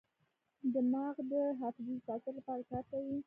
دماغ د حافظې د ساتلو لپاره کار کوي.